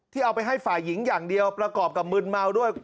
เอาไปให้ฝ่ายหญิงอย่างเดียวประกอบกับมึนเมาด้วย